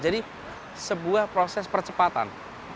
jadi sebuah proses percepatan